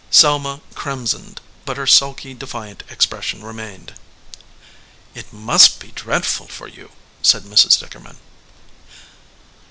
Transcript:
Selma crimsoned, but her sulky, defiant expres sion remained. "It must be dreadful for you," said Mrs. Dicker man.